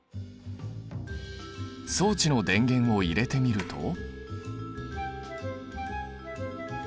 装置の電源を入れてみると。